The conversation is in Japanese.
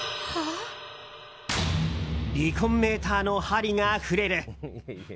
離婚メーターの針が振れる。